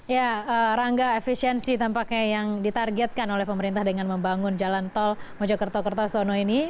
ya rangga efisiensi tampaknya yang ditargetkan oleh pemerintah dengan membangun jalan tol mojokerto kertosono ini